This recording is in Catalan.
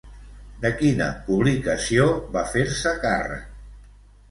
De quina publicació va fer-se càrrec?